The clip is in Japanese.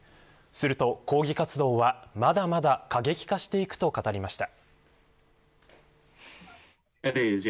すると、抗議活動はまだまだ過激化していくと語りました。